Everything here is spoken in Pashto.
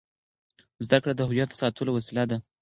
زده کړه د هویت د ساتلو وسیله ده.